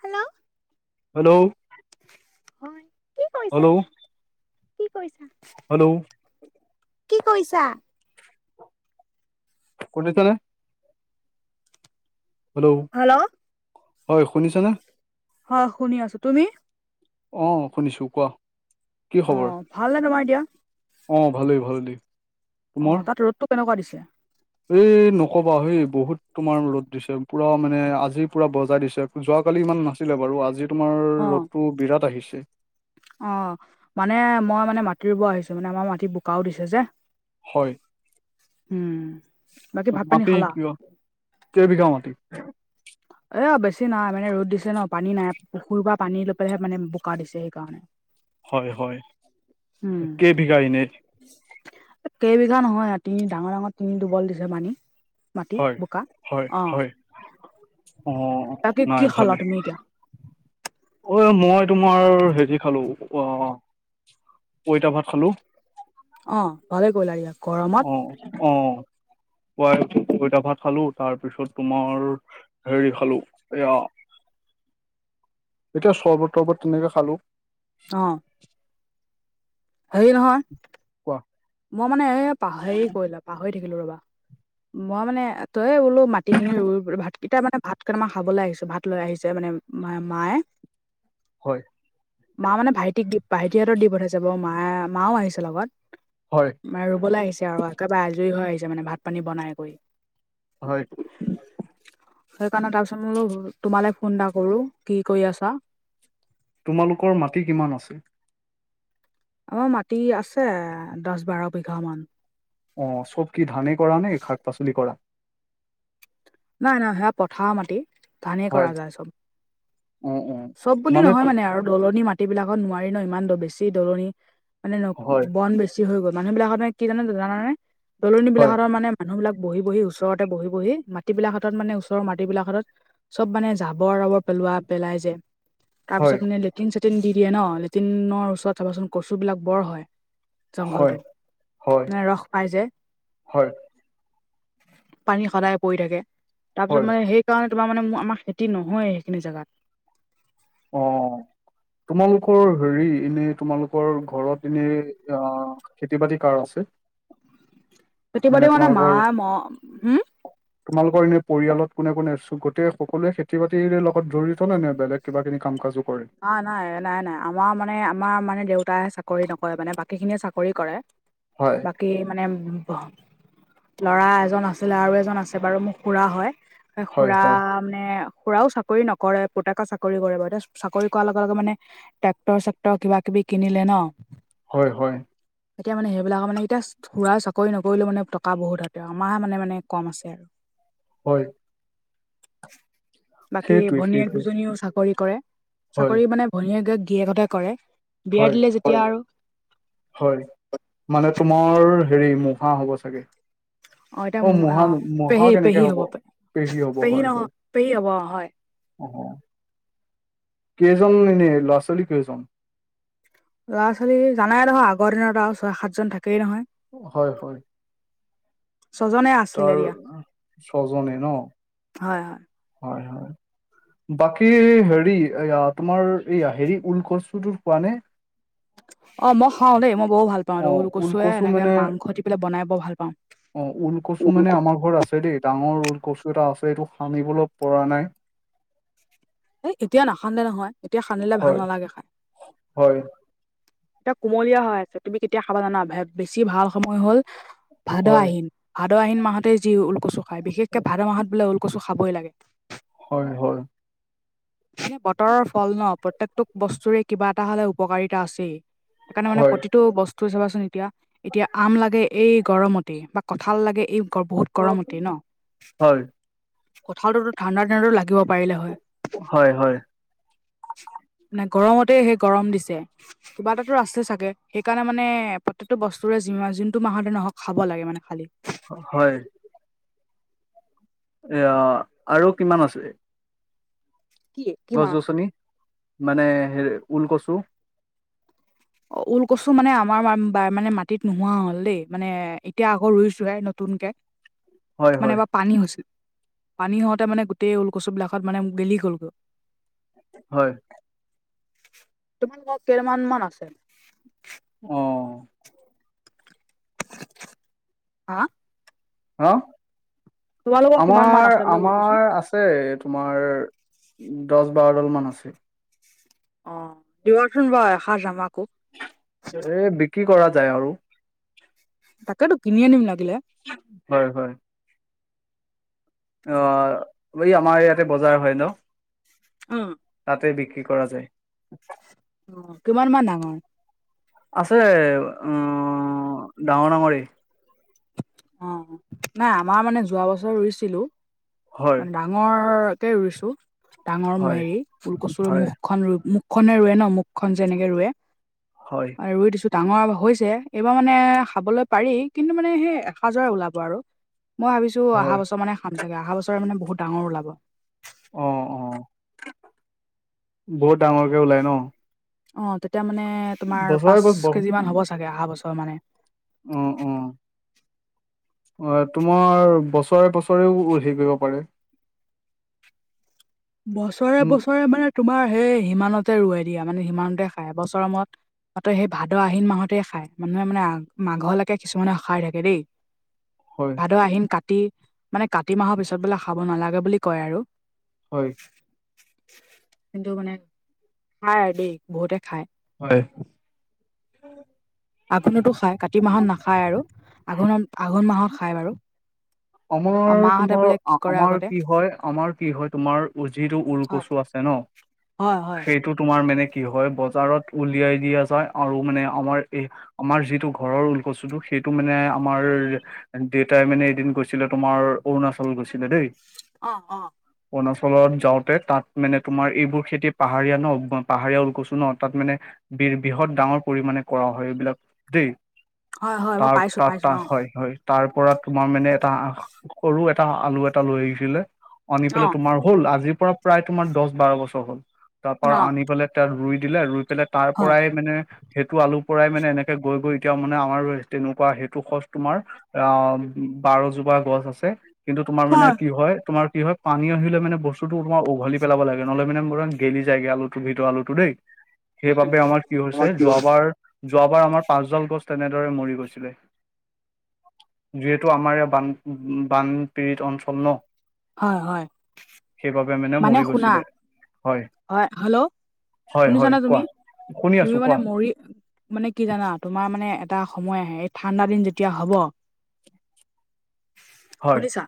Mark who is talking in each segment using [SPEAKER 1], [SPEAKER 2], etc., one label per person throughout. [SPEAKER 1] Hello.
[SPEAKER 2] Hello.
[SPEAKER 1] হয়। কি
[SPEAKER 2] hello
[SPEAKER 1] কৰিছা? কি কৰিছা?
[SPEAKER 2] হেল্ল'
[SPEAKER 1] কি কৰিছা?
[SPEAKER 2] শুনিছনে? হেল্ল'।
[SPEAKER 1] হেল্ল'।
[SPEAKER 2] হয় শুনিছনে?
[SPEAKER 1] হয় শুনি আছো, তুমি?
[SPEAKER 2] অঁহ শুনিছো কোৱা, কি
[SPEAKER 1] অ'
[SPEAKER 2] খবৰ?
[SPEAKER 1] ভালনে তোমাৰ এতিয়া?
[SPEAKER 2] অ' ভালেই ভাল দেই।
[SPEAKER 1] অ' তাত ৰ'দটো কেনকুৱা দিছে?
[SPEAKER 2] এ নকবা হেই বহুত তোমাৰ ৰ'দ দিছে পুৰা মানে আজি পুৰা বজাই দিছে। যোৱাকালি ইমান নাছিলে বাৰু, আজি তোমাৰ
[SPEAKER 1] অ'
[SPEAKER 2] ৰ'দটো বিৰাট আহিছে।
[SPEAKER 1] অ' মানে মই মানে মাটি ৰুব আহিছো, মানে আমাৰ মাটি বোকাও দিছে যে।
[SPEAKER 2] হয়
[SPEAKER 1] উম, বাকী ভাত পানী খালা?
[SPEAKER 2] কেই বিঘা মাটি?
[SPEAKER 1] এ বেছি নাই, মানে ৰ'দ দিছে ন পানী নাই পুখুৰীৰ পৰা পানী লৈ পেলাইহে মানে বোকা দিছে সেইকাৰণে।
[SPEAKER 2] হয়, হয়,
[SPEAKER 1] উম,
[SPEAKER 2] কেই বিঘা এনেই?
[SPEAKER 1] কেইবিঘা নহয়, তিনি ডাঙৰ ডাঙৰ তিনি দুবল দিছে পানী। মাটি
[SPEAKER 2] হয়
[SPEAKER 1] বোকা।
[SPEAKER 2] হয়
[SPEAKER 1] অ'
[SPEAKER 2] হয় অ
[SPEAKER 1] বাকী কি
[SPEAKER 2] নাই
[SPEAKER 1] খালা
[SPEAKER 2] ভালেই।
[SPEAKER 1] তুমি এতিয়া?
[SPEAKER 2] ঐ মই তোমাৰ হেৰি খালোঁ অ পইতা ভাত খালোঁ।
[SPEAKER 1] অ' ভালে কৰিলা ইয়াক।
[SPEAKER 2] অঁ অঁ। পই পঁইতা ভাত খালোঁ, তাৰপিছত তোমাৰ হেৰি খালোঁ এইয়া এতিয়া চৰ্বত তৰ্বত তেনেকে খালোঁ।
[SPEAKER 1] অ'। হেৰি নহয়।
[SPEAKER 2] কোৱা?
[SPEAKER 1] মই মানে এ পাহেৰি কৰিলা পাহৰি থাকিলো ৰবা! মই মানে তইয়ে বোলো মাটিখিনি ৰুই বুৰে ভাত এতিয়া মানে ভাতকেটামান খাবলৈ আহিছো ভাত লৈ আহিছে মানে মা মায়ে।
[SPEAKER 2] হয়।
[SPEAKER 1] মা মানে ভাইটিক দি ভাইটিহঁতক দি পঠাইছে বাৰু মা মাও আহিছে বাৰু লগত।
[SPEAKER 2] হয়।
[SPEAKER 1] মানে ৰুবলৈ আহিছে আৰু একেবাৰে আজৰি হৈ আহিছে মানে ভাত - পানী বনাই কৰি।
[SPEAKER 2] হয়।
[SPEAKER 1] সেইকাৰণে তাৰপিছত মোলো তোমালৈ ফোন এটা কৰোঁ কি কৰি আছ?
[SPEAKER 2] তোমালোকৰ মাটি কিমান আছিল?
[SPEAKER 1] আমাৰ মাটি আছে দছ - বাৰ বিঘামান।
[SPEAKER 2] অ চব কি ধানে কৰা নে এই শাক - পাচলি কৰা?
[SPEAKER 1] নাই নাই সেয়া পথাৰ মাটি। ধানেই
[SPEAKER 2] হয়
[SPEAKER 1] কৰা যায় চ'ব,
[SPEAKER 2] অ অ
[SPEAKER 1] চ'ব বুলি নহয় মানে আৰু দলনি মাটিবিলাকত নোৱাৰি ন ইমান দ বেছি দলনি মানে ন
[SPEAKER 2] হয়
[SPEAKER 1] বন বেছ ছি হৈ গ'ল মানুহবিলাকৰ মানে কি জানে জানানে
[SPEAKER 2] হয়
[SPEAKER 1] দলনিবিলাকহতৰ মানে মানুহবিলাক বহি - বহি ওচৰতে বহি - বহি মাট টিবিলাকহতত মানে ওচৰৰ মাটিবিলাকহতত চ'ব মানে জাবৰ - জাবৰ পেলোৱা পেলাই যে
[SPEAKER 2] হয়
[SPEAKER 1] তাৰপিছত মানে লেটিন - চেটিন দি দিয়ে ন, লেটিনৰ ওচৰত চাবাচোন কচুবিলাক বৰ হয়।
[SPEAKER 2] হয়
[SPEAKER 1] জংঘলটো
[SPEAKER 2] হয়
[SPEAKER 1] মানে ৰস পাই যে।
[SPEAKER 2] হয়
[SPEAKER 1] পানী সদায় পৰি থাকে
[SPEAKER 2] হয়
[SPEAKER 1] তাৰপিছত মানে সেই সেই কাৰণে তোমাৰ মানে আমাৰ খেতি নহয় সেইখিনি জেগাত।
[SPEAKER 2] অ। তোমালোকৰ হেৰি এনে তোমালোকৰ ঘৰত এনে অ খেতি-বাতি কাৰ আছে?
[SPEAKER 1] তেতিবাদও মানে মা ম হুম!
[SPEAKER 2] তোমালোকৰ এনেই পৰিয়ালত কোনে কোনে আছো গোটেই সকলোৱে খেতি - বাতিৰে লগত জড়িত নে বেলেগ কিবাকিনি কাম-কাজো কৰে?
[SPEAKER 1] নাই নাই নাই নাই আমাৰ মানে আমাৰ মানে দেউতাই চাকৰি নকৰে মানে বাকীখিনিয়ে চাকৰি কৰে। [inaudible]
[SPEAKER 2] হয়।
[SPEAKER 1] বাকী মানে ভ ল'ৰা এজন আছিলে আৰু এজন আছে বাৰু মোৰ খুৰা হয়। সে
[SPEAKER 2] হয়
[SPEAKER 1] খুৰা
[SPEAKER 2] হয়
[SPEAKER 1] মানে খুৰাও চাকৰি নকৰে পুতেক চাকৰি কৰে বাৰু এতিয়া চু চাকৰি কৰাৰ লগে লগে মানে টেক্টৰ - চেক্টৰ কিবা - কিবি কিনিলে ন
[SPEAKER 2] হয় হয়।
[SPEAKER 1] এতিয়া মানে সেইবিলাকৰ মানে এতিয়াচ খুৰা চাকৰি নকৰিলেও মানে টকা বহুত হতে আমাৰে মানে মানে কম আছে আৰু।
[SPEAKER 2] হয়।
[SPEAKER 1] বাকী
[SPEAKER 2] সেইটোৱে
[SPEAKER 1] ভনীয়েক
[SPEAKER 2] সেইটোৱে
[SPEAKER 1] দুজনীও চাকৰি কৰে।
[SPEAKER 2] হয়
[SPEAKER 1] চাকৰি মানে ভনীয়েকে গিৰিয়েকহতে কৰে, বিয়া
[SPEAKER 2] হয়
[SPEAKER 1] দিলে যেতিয়া আৰু।
[SPEAKER 2] হয় মানে তোমাৰ হেৰি মহা হ'ব চাগে? অ মহা - মহা কেনেকে হব? পেহী হব হয়
[SPEAKER 1] নহয়
[SPEAKER 2] হয়।
[SPEAKER 1] পেহী হ'ব অ হয়
[SPEAKER 2] অহ, কেইজন এনে ল'ৰা - ছোৱালী কেইজন?
[SPEAKER 1] ল'ৰা ছোৱালী জানাই দেখোন আগৰ দিনত আৰু ছয় সাতজন থাকেই নহয়!
[SPEAKER 2] হয় হয়।
[SPEAKER 1] ছজনে আ।
[SPEAKER 2] তাৰ ছজনে ন?
[SPEAKER 1] হয় হয়!
[SPEAKER 2] হয় হয়! বাকী হেৰি এইয়া তোমাৰ এইয়া হেৰি ওলকচুটো খোৱা নে?
[SPEAKER 1] অ মই খাওঁ দেই মই বৰ ভাল পাওঁ
[SPEAKER 2] অ
[SPEAKER 1] এইটো
[SPEAKER 2] ওল
[SPEAKER 1] ওলকচুৱে
[SPEAKER 2] কচু
[SPEAKER 1] এনেকে মাংস দি পেলাই বনাই বৰ ভাল পাওঁ।
[SPEAKER 2] ওলকচু মানে আমাৰ ঘৰত আছে দেই ডাঙৰ ওলকচু এটা আছে এইটো খানিবলে পৰা নাই।
[SPEAKER 1] সেই এতিয়া নাখান্দে নহয় এতিয়া খান্দিলে ভাল
[SPEAKER 2] হয়
[SPEAKER 1] নালাগে খাই।
[SPEAKER 2] হয়।
[SPEAKER 1] এতিয়া কুমলীয়া হৈ আছে, তুমি কেতিয়া খাবা জানা বেছি ভাল সময় হল ভাদ
[SPEAKER 2] হয়
[SPEAKER 1] আহিন। ভাদ আহিন মাহতেই যি ওলকচু খায়, বিশেষকে ভাদ মাহত বোলে ওলকচু খাবই লাগে।
[SPEAKER 2] হয় হয়!
[SPEAKER 1] সেই বতৰৰ ফল ন প্ৰত্যেকটোক বস্তুৰে কিবা এটা হ'লে উপকাৰিতা আছেই। সেইকাৰণে মানে
[SPEAKER 2] হয়
[SPEAKER 1] প্ৰতিটো বস্তু বস্তু চাবাচোন এতিয়া, এতিয়া আম লাগে এই গৰমতে বা কঁঠাল লাগে এই বহুত গৰমতে ন,
[SPEAKER 2] হয়
[SPEAKER 1] কঠালটোতো ঠাণ্ডা দিনতো লাগিব পাৰিলে হয়।
[SPEAKER 2] হয় হয়,
[SPEAKER 1] মানে গৰমতে সেই গৰম দিছে কিবা এটাতো আছে চাগে, সেইকাৰণে মানে প্ৰত্যেকটো বস্তুৰে যি যোনটো মাহতে নহওক খাব লাগে মানে খালী।
[SPEAKER 2] হয়। এইয়া আৰু কিমান আছে?
[SPEAKER 1] কি? কি
[SPEAKER 2] গছ
[SPEAKER 1] মাহ আছে
[SPEAKER 2] গছনি মানে হে ওলকচু?
[SPEAKER 1] অ ওলকচু মানে আমাৰ মানে মাটিত নোহোৱা হ'ল দেই, মানে এতিয়া আকৌ ৰুইছোহে নতুনকে।
[SPEAKER 2] হয়
[SPEAKER 1] মানে
[SPEAKER 2] হয়
[SPEAKER 1] বাপ পানী হৈছিল, পানী হওঁতে মানে গোটেই ওলকচু বিলাকত মানে গেলি গ'লগৈ।
[SPEAKER 2] হয়,
[SPEAKER 1] তোমালোকৰ কেইমান মান আছে?
[SPEAKER 2] অ,
[SPEAKER 1] [unintelligible] হা,
[SPEAKER 2] হা,
[SPEAKER 1] তোমালোকৰ কিমান মান
[SPEAKER 2] আমাৰ
[SPEAKER 1] আছে বোলে ঊল কৈছো
[SPEAKER 2] আমাৰ আছে - আছে তোমাৰ দহ বাৰ ডাল মান আছে।
[SPEAKER 1] অ দিবচোন বাও এসাঁজ আমাকো।
[SPEAKER 2] এ বিক্ৰী কৰা যায় আৰু।
[SPEAKER 1] তাকে তো কিনি আনিম লাগিলে।
[SPEAKER 2] হয় হয়। অ এই আমাৰ ইয়াতে বজাৰ হয় ন।
[SPEAKER 1] উম,
[SPEAKER 2] তাতে বিক্ৰী কৰা যায়।
[SPEAKER 1] অ কিমান মান ডাঙৰ?
[SPEAKER 2] আছে, উ ডাঙৰ ডাঙৰেই।
[SPEAKER 1] অ নাই আমাৰ মানে যোৱা বছৰ ৰুইছিলো
[SPEAKER 2] হয়,
[SPEAKER 1] ডাঙ। মোৰ কে ৰুইছো ডাঙৰ
[SPEAKER 2] হয়,
[SPEAKER 1] হেৰি ফুলকচু
[SPEAKER 2] হয়,
[SPEAKER 1] মুখখন মুখ। মুখ খনে ৰুৱে ন মুখন যেনেকে ৰুৱে।
[SPEAKER 2] হয়।
[SPEAKER 1] ৰুই দিছোঁ ডাঙৰ হৈছে এইবাৰ মানে খাবলৈ পাৰি কিন্তু মানে সেই। সাজৰে ওলাব আৰু মই ভাবিছো
[SPEAKER 2] হয়,
[SPEAKER 1] অহা বছৰ মানে খাম চাগে অহা বছৰে মান বহুত ডাঙৰ ওলাব।
[SPEAKER 2] অ অ বহুত ডাঙৰকে ওলাই ন।
[SPEAKER 1] অ তেতিয়া মানে তোমাৰ
[SPEAKER 2] বছৰে
[SPEAKER 1] পাঁচ
[SPEAKER 2] বছ ব
[SPEAKER 1] কেজি মান হ'ব চাগে অহা বছৰ মানে।
[SPEAKER 2] অ অ। অ তোমাৰ বছৰে বছৰেও হেৰি কৰিব পাৰি।
[SPEAKER 1] বছৰে
[SPEAKER 2] উম,
[SPEAKER 1] বছৰে মানে। তোমাৰ সেই সিমানতে ৰুৱাই দিয়া মানে সিমানতে খাই এ বছৰ মোৰত। মাত সেই ভাদ আহিন মাহতেই খাই মানুহে মানে মাঘলৈকে কিছুমানে খাই থাকে দেই।
[SPEAKER 2] হয়।
[SPEAKER 1] ভাদ আহিম কাতি মানে কাতি মাহৰ পিছত বোলে খাব নালাগে বুলি কয় আৰু।
[SPEAKER 2] হয়।
[SPEAKER 1] কিন্তু মানে খাই আৰু দেই বহুতে খাই।
[SPEAKER 2] হয়।
[SPEAKER 1] আঘোণতো খায় কাতি মাহত নাখায় আৰু আঘোণত আঘোণ মাহত খায় বাৰু।
[SPEAKER 2] আমাৰ
[SPEAKER 1] আৰু মাহঁতে
[SPEAKER 2] তোমাৰ
[SPEAKER 1] বোলে কি কৰে
[SPEAKER 2] আমাৰ
[SPEAKER 1] আগতে
[SPEAKER 2] কি হয় আমাৰ কি হয় তোমাৰ যিটো
[SPEAKER 1] হয়
[SPEAKER 2] উৰকচু আছে। ন
[SPEAKER 1] হয় হয়
[SPEAKER 2] সেইটোত। তোমাৰ মানে কি হয় বজাৰত উলিয়াই দিয়া যায় আৰু মানে আমাৰ এই। আমাৰ যিটো ঘৰৰ ওলকচুটো সেইটো মানে আমাৰ দেউতাই মানে এদিন গৈ। যেনে তোমাৰ অৰুণাচল গৈছিলে দেই।
[SPEAKER 1] অ অ।
[SPEAKER 2] অৰুণাচলত যাওঁতে তাত মানে তোমাৰ এইবোৰ খেতি পাহাৰীয়া ন পাহাৰীয়া ওলকছো ন তাত মানে। বি বৃহৎ ডাঙৰ পৰিমাণে কৰা হয় এইবিলাক দেই।
[SPEAKER 1] হয় হয় মই
[SPEAKER 2] তাৰ
[SPEAKER 1] পাইছো
[SPEAKER 2] তা
[SPEAKER 1] পাইছো
[SPEAKER 2] তা
[SPEAKER 1] অ',
[SPEAKER 2] হয় হয়। তাৰ পৰা তোমাৰ মানে এটা সৰু এটা আলু এটা লৈ আহিছিলে আনি পেলাই
[SPEAKER 1] অ',
[SPEAKER 2] তোমাৰ। হ'ল আজিৰ পৰা প্ৰায় তোমাৰ দচ বাৰ বছৰ হ'ল তাৰ পৰা
[SPEAKER 1] অ',
[SPEAKER 2] আনি পেলাই তাত ৰুই দিলে ৰুই পেলাই। তাৰ
[SPEAKER 1] হয়।
[SPEAKER 2] পৰাই মানে। সেইটো আলু পৰাই মানে এনেকে গৈ গৈ এতিয়া মানে আমাৰ তেনেকুৱা সেইটো খচ তোমাৰ। অ বাৰজোপা গছ আছে কিন্তু তোমাৰ মানে কি হয়। তোমাৰ কি হয় পানী আহিলে মানে বস্তুটো তোমাৰ উঘলি পেলাব লাগে নহ'লে মানে ম গেলি যায়গে আলুটো ভিতৰত আলুটো দেই।
[SPEAKER 1] [inaudible]
[SPEAKER 2] সেইবাবে আমাৰ কি হৈছে যোৱাবাৰ। যোৱাবাৰ আমাৰ পাঁচজন গছ তেনেদৰে মৰি গৈছিলে যিতু। এইটো আমাৰে বান বানপীড়িত অঞ্চল ন।
[SPEAKER 1] হয় হয়
[SPEAKER 2] সেইবাবে
[SPEAKER 1] মানে
[SPEAKER 2] মৰি
[SPEAKER 1] শুনা
[SPEAKER 2] গৈছিলে
[SPEAKER 1] হয় হেল্ল'।
[SPEAKER 2] হয় হয়
[SPEAKER 1] শুনিছানে তুমি
[SPEAKER 2] কোৱা শুনি
[SPEAKER 1] তুমি
[SPEAKER 2] আছো
[SPEAKER 1] মানে
[SPEAKER 2] কোৱা
[SPEAKER 1] মৰি। মানে কি জানা তোমাৰ মানে এটা সময় আহে ঠাণ্ডা দিন যেতিয়া হ'ব।
[SPEAKER 2] হয়
[SPEAKER 1] শুনিছা?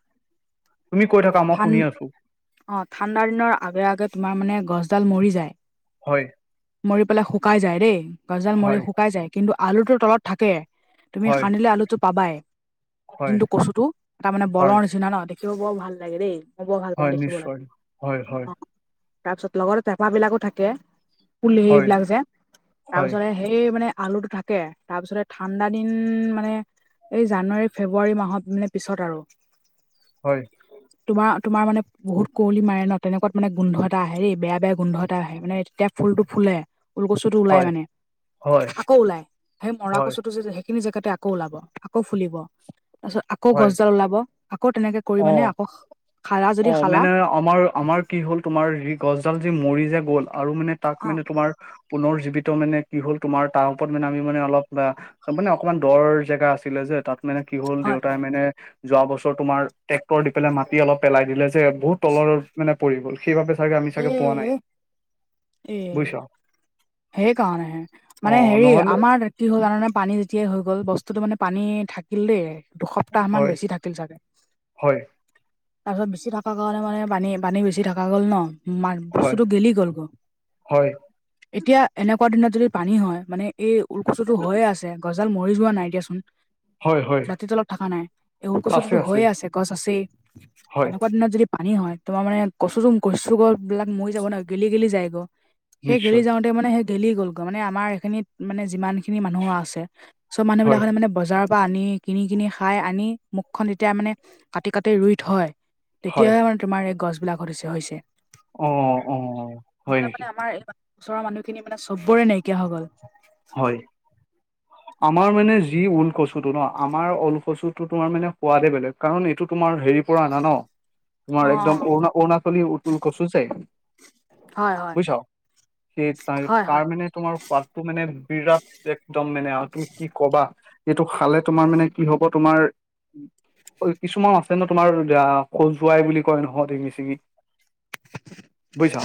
[SPEAKER 2] তুমি কৈ থাকা মই
[SPEAKER 1] ঠান
[SPEAKER 2] শুনি আছো।
[SPEAKER 1] অ ঠাণ্ডা দিনৰ আগে আগে তোমাৰ মানে গছডাল মৰি যায়।
[SPEAKER 2] হয়।
[SPEAKER 1] মৰি পেলাই শুকাই যায় দেই, গছডাল মৰি
[SPEAKER 2] হয়
[SPEAKER 1] শুকাই যায় কিন্তু আলুটো তলত থাকেই। তুমি
[SPEAKER 2] হয়
[SPEAKER 1] খানিলে আলুটো পাবাই,
[SPEAKER 2] হয়
[SPEAKER 1] যোনটো কচুটো এটা মানে বলৰ
[SPEAKER 2] হয়
[SPEAKER 1] নিচিনা ন। দেখিব বৰ ভাল লাগে দেই, মই বৰ ভাল পাওঁ
[SPEAKER 2] হয়
[SPEAKER 1] দেখিবলৈ
[SPEAKER 2] নিশ্চয় হয় হয়
[SPEAKER 1] অ'। তাৰপিছত লগৰ পেপ বিলাকো থাকে, কুল সেই
[SPEAKER 2] হয়
[SPEAKER 1] বিলাক যে তাৰ
[SPEAKER 2] হয়
[SPEAKER 1] পিছতে। সেই মানে আলুটো থাকে, তাৰ পিছতে ঠাণ্ডা দিন মানে। এই জানুৱাৰী- ফেব্ৰুৱাৰী মাহত মানে পিছত আৰু।
[SPEAKER 2] হয়।
[SPEAKER 1] তোমাৰ - তোমাৰ মানে বহুত কুঁৱলী মাৰে ন, তেনেকুৱাত মানে গোন্ধ এটা আহে দেই বেয়া - বেয়া গোন্ধ এটা আহে মানে তেতিয়া। ফুল টো ফুলে ফুলকচু টো ওলাই
[SPEAKER 2] হয়
[SPEAKER 1] মানে,
[SPEAKER 2] হয়
[SPEAKER 1] আকৌ ওলাই সেই মৰা
[SPEAKER 2] হয়
[SPEAKER 1] কচু টো যে। সেইখিনি জেগাতে আকৌ ওলাব আকৌ ফুলিব তাৰপিছত আকৌ
[SPEAKER 2] হয়
[SPEAKER 1] গছডাল ওলাব আকৌ তেনেকে। কৰি
[SPEAKER 2] অ
[SPEAKER 1] মানে আকৌ খালা
[SPEAKER 2] অ
[SPEAKER 1] যদি খালা।
[SPEAKER 2] মানে আমাৰ- আমাৰ কি হ'ল তোমাৰ গছডাল যে মৰি যে গ'ল আৰু মানে তাক
[SPEAKER 1] অ
[SPEAKER 2] মানে তোমাৰ। পুনৰ জীৱিত মানে কি হ'ল তোমাৰ তাৰ ওপৰত মানে আমি মানে অলপ। মানে অকমান দৰ জেগা আছিলে যে, তাত মানে কি হল
[SPEAKER 1] হয়
[SPEAKER 2] দেউতাই
[SPEAKER 1] হয়
[SPEAKER 2] মানে যোৱা বছৰ তোমাৰ। ট্ৰেক্টৰ দি পেলাই মাটি অলপ পেলাই দিলে যে বহুত তলত মানে পৰি গল সেইবাবে। চাগে আমি
[SPEAKER 1] এ
[SPEAKER 2] চাগে পোৱা নাই।
[SPEAKER 1] এ'
[SPEAKER 2] বুজিছা
[SPEAKER 1] সেইকাৰণেহে
[SPEAKER 2] অ
[SPEAKER 1] মানে হেৰি
[SPEAKER 2] নহ'লে
[SPEAKER 1] আমাৰ। কি হ'ল জানানে পানী যেতিয়াই হৈ গ'ল, বস্তুটো মানে পানী থাকিল দেই। দুসপ্তাহ মান
[SPEAKER 2] হয়
[SPEAKER 1] বেছি থাকিল চাগে।
[SPEAKER 2] হয়
[SPEAKER 1] তাৰ পিছত বেচি থকা কাৰণে মানে পানী- পানী বেচি থকা গ'ল ন,
[SPEAKER 2] হয়
[SPEAKER 1] বস্তুতটো গেলি গ'ল গৈ।
[SPEAKER 2] হয়।
[SPEAKER 1] এতিয়া এনেকুৱা দিনত যদি পানী হয় মানে এই ওলকচুটো হৈয়ে আছে। গজদাল মৰি যোৱা নাই দিয়াচোন।
[SPEAKER 2] হয় হয়
[SPEAKER 1] মাটি তলত থকা নাই, এই ওলকচুটো হৈয়ে আছে গছ আছেই
[SPEAKER 2] হয়
[SPEAKER 1] এনেকুৱা দিনত যদি। পানী হয়, তমাৰ মানে কচু কচুগছ বিলাক মৰি যাব নহ গেলি - গেলি যাব। সেই গেলি
[SPEAKER 2] নিশ্চয়
[SPEAKER 1] যাওঁতে মানে সেই গেলি গ'লগৈ, মানে আমাৰ এইখিনিত মানে যিমান খিনি মানুহৰ আছে। চ' মুহবাক
[SPEAKER 2] হয়
[SPEAKER 1] হলে মে [unintelligible] বজাৰৰ পৰা আনি কিনি- কিনি খাই আনি, মুখন যেতিয়া মানে কাটি কাটি ৰুই থয়।
[SPEAKER 2] হয়
[SPEAKER 1] তেতিয়াহে মানে তোমাৰ এই গছ বিলাকত হৈছে হৈছে।
[SPEAKER 2] অঁ অঁ।
[SPEAKER 1] নহ'লে মানে আমাৰ ওচৰৰ মানুহখিনি মানে চবৰে নাইকিয়া হৈ গল।
[SPEAKER 2] হয়।
[SPEAKER 1] [inaudible]
[SPEAKER 2] আমাৰ মানে যি ঊল কচুটো ন, আমাৰ ঊল কচুটো তোমাৰ মানে সোৱাদে বেলেগ কাৰণ এইটো তোমাৰ হেৰি। প না ন
[SPEAKER 1] অ
[SPEAKER 2] তোমাৰ একদম
[SPEAKER 1] অ',
[SPEAKER 2] অৰুণা অৰুণাচলী উতুল কচু যে। [unintelligible]
[SPEAKER 1] হয় হয়
[SPEAKER 2] বুজিছ, সেই ত
[SPEAKER 1] হয় হয়
[SPEAKER 2] তাৰ মানে তোমাৰ সোৱাদটো মানে। বিৰাট একদম মানে আৰু তুমি কি ক'বা। এইটো খালে তোমাৰ মানে কি হ'ব তোমাৰ। কিছুমান আছে ন, তোমাৰ খজুৱাই বুলি কয় নহয় দিঙি - চিগি। বুজিছা।